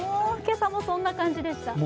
今朝もそんな感じでした。